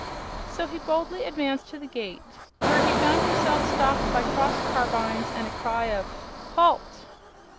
So he boldly advanced to the gate, where he found himself stopped by crossed carbines and a cry of "Halt!"